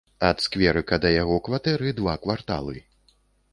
Ад скверыка да яго кватэры два кварталы.